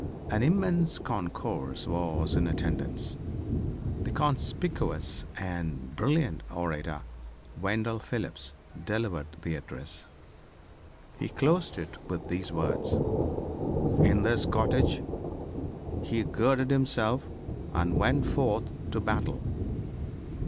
An immense concourse was in attendance. The conspicuous and brilliant orator, Wendell Phillips, delivered the address. He closed it with these words: "In this cottage he girded himself and went forth to battle.